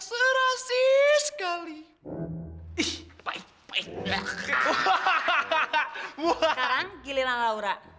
sekarang giliran laura